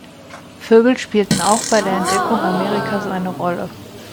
Vögel spielten auch bei der Entdeckung Amerikas eine Rolle.